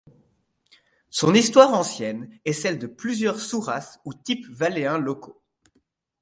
Son histoire ancienne est celle de plusieurs sous-races ou types valléens locaux.